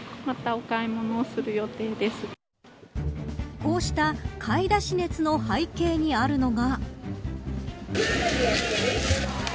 こうした買い出し熱の背景にあるのが。